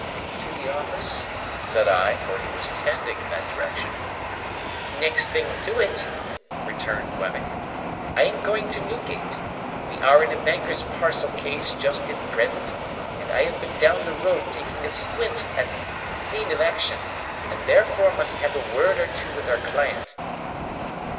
"To the office?" said I, for he was tending in that direction. "Next thing to it," returned Wemmick, "I am going to Newgate. We are in a banker's parcel case just at present, and I have been down the road taking a squint at the scene of action, and thereupon must have a word or two with our client."